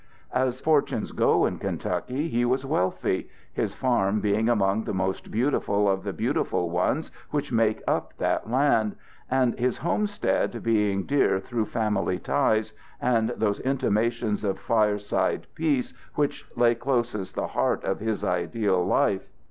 As fortunes go in Kentucky he was wealthy, his farm being among the most beautiful of the beautiful ones which make up that land, and his homestead being dear through family ties and those intimations of fireside peace which lay closest the heart of his ideal life.